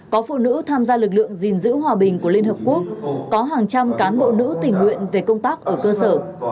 có phụ nữ tham gia lực lượng gìn giữ hòa bình của liên hợp quốc có hàng trăm cán bộ nữ tình nguyện về công tác ở cơ sở